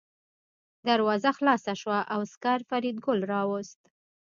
دروازه خلاصه شوه او عسکر فریدګل راوست